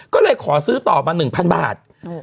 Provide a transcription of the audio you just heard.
ก็เลยขอซื้อต่อมา๑๐๐บาท